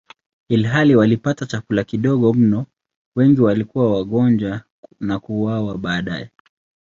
Ilhali walipata chakula kidogo mno, wengi walikuwa wagonjwa na kuuawa baadaye.